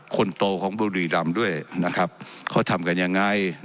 คนโตของบิวรามด้วยเขาทำกันอย่างไร